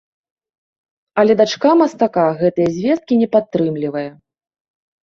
Але дачка мастака гэтыя звесткі не падтрымлівае.